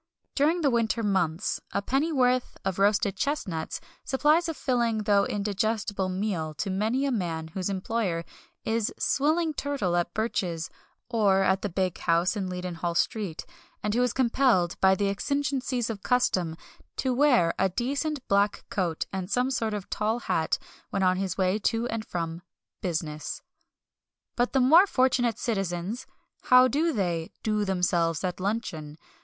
During the winter months a pennyworth of roasted chestnuts supplies a filling, though indigestible meal to many a man whose employer is swilling turtle at Birch's or at the big house in Leadenhall Street, and who is compelled, by the exigencies of custom, to wear a decent black coat and some sort of tall hat when on his way to and from "business." But the more fortunate citizens how do they "do themselves" at luncheon?